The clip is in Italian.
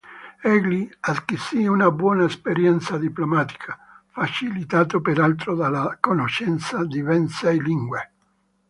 Egli acquisì una buona esperienza diplomatica, facilitato peraltro dalla conoscenza di ben sei lingue.